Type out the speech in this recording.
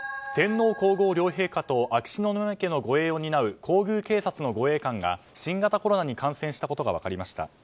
天皇・皇后両陛下と秋篠宮家の護衛を担う皇宮警察の護衛官が新型コロナに感染したことが分かりました。